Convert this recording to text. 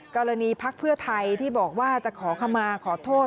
กรณีพลักษณ์เพื่อไทยที่บอกว่าจะขอคำมาขอโทษ